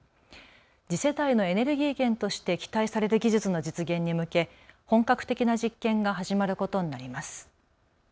次世代のエネルギー源として期待される技術の実現に向け本格的な実験が始まることになります。